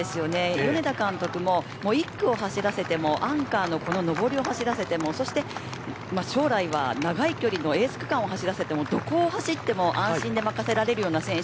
米田監督も１区を走らせてもアンカーを走らせても将来は長い距離のエース区間を走らせてもどこを走っても安心して任される選手。